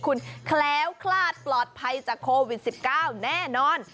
คุณแคล้วคลาดปลอดภัยจากโควิด๑๙แน่นอน